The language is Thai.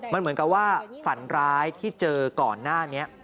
มันเหมือนกับว่าฝันร้ายที่เจอก่อนหน้านี้